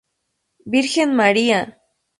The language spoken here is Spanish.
Virgen María!